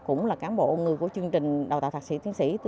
cũng là cán bộ người của chương trình đào tạo thạc sĩ tiến sĩ